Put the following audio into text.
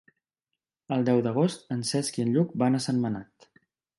El deu d'agost en Cesc i en Lluc van a Sentmenat.